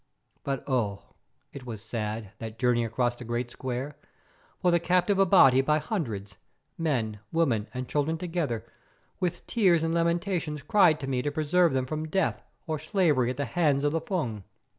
But oh! it was sad, that journey across the great square, for the captive Abati by hundreds—men, women, and children together—with tears and lamentations cried to me to preserve them from death or slavery at the hands of the Fung.